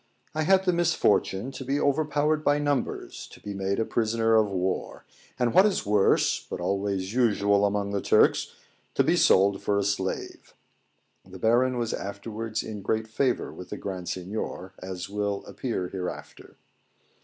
I had the misfortune to be overpowered by numbers, to be made prisoner of war; and, what is worse, but always usual among the Turks, to be sold for a slave. [The Baron was afterwards in great favour with the Grand Seignior, as will appear hereafter.